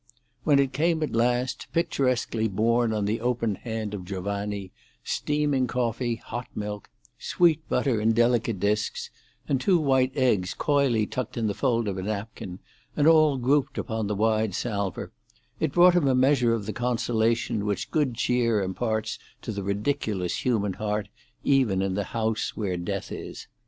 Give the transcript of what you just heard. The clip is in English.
When it came at last, picturesquely borne on the open hand of Giovanni, steaming coffee, hot milk, sweet butter in delicate disks, and two white eggs coyly tucked in the fold of a napkin, and all grouped upon the wide salver, it brought him a measure of the consolation which good cheer imparts to the ridiculous human heart even in the house where death is.